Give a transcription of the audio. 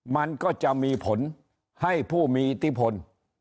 มันก็จะมีผลให้ผู้มีอิทธิพล